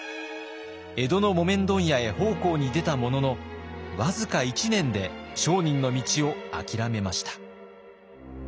江戸の木綿問屋へ奉公に出たものの僅か１年で商人の道を諦めました。